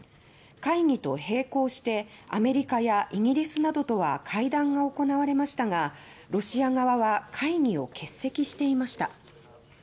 会議と平行してアメリカやイギリスなどとは会談が行われましたがロシア側は会議を欠席していました。